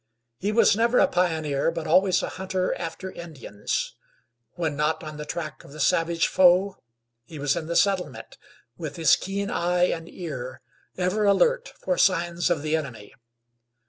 He was never a pioneer; but always a hunter after Indians. When not on the track of the savage foe, he was in the settlement, with his keen eye and ear ever alert for signs of the enemy.